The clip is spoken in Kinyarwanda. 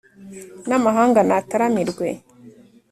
n'amahanga nataramirwe